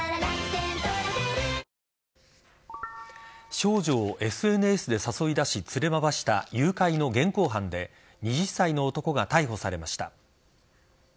少女をＳＮＳで誘い出し連れ回した誘拐の現行犯で２０歳の男が逮捕されました。